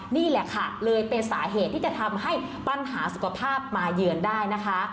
นี่แหละค่ะเลยเป็นสาเหตุที่จะทำให้ปัญหาสุขภาพมาเยือนได้นะคะ